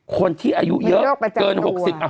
คนที่อายุเยอะเกินหกสิบ